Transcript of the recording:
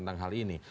tentang hal ini